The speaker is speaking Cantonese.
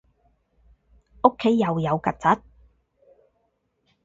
屋企又有曱甴